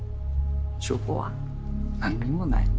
証拠は何にもない。